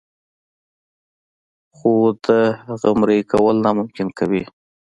خو د هغه مريي کول ناممکن کوي.